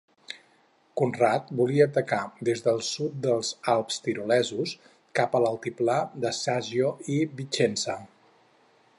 Conrad volia atacar des del sud dels Alps tirolesos cap a l'altiplà d'Asiago i Vicenza.